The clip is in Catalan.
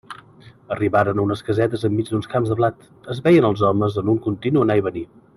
Arribaren a unes casetes enmig d'uns camps de blat; es veien els hòmens en un continu anar i vindre.